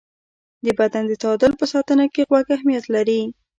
د بدن د تعادل په ساتنه کې غوږ اهمیت لري.